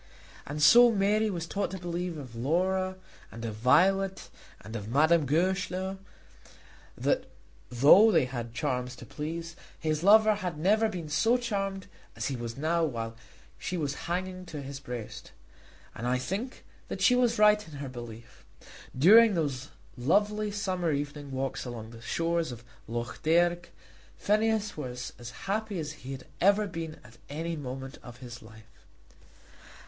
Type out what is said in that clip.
And so Mary was taught to believe of Laura and of Violet and of Madame Goesler, that though they had had charms to please, her lover had never been so charmed as he was now while she was hanging to his breast. And I think that she was right in her belief. During those lovely summer evening walks along the shores of Lough Derg, Phineas was as happy as he had ever been at any moment of his life.